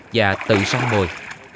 và tự săn mồi